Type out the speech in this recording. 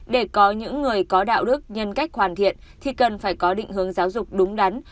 để có những người có đạo đức nhân cách hoàn thiện thì cần phải có định hướng giáo dục đúng đắn